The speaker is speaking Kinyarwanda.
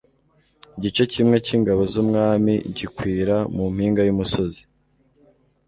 igice kimwe cy'ingabo z'umwami gikwira mu mpinga y'umusozi